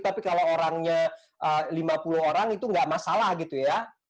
tapi kalau orangnya lima puluh orang itu nggak masalah gitu ya